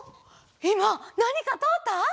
いまなにかとおった？